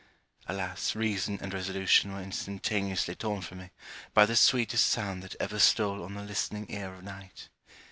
Alas reason and resolution were instantaneously torn from me, by the sweetest sound that ever stole on the listening ear of night.